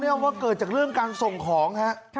ไม่เอาว่าเกิดจากเรื่องการส่งของ